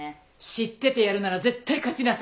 知っててやるなら絶対勝ちなさい。